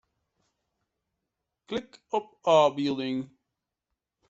Klik op ôfbylding.